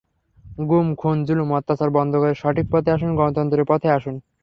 গুম, খুন, জুলুম, অত্যাচার বন্ধ করে সঠিক পথে আসুন, গণতন্ত্রের পথে আসুন।